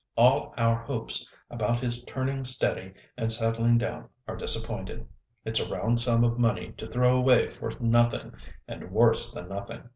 All our hopes about his turning steady and settling down are disappointed. It's a round sum of money to throw away for nothing, and worse than nothing.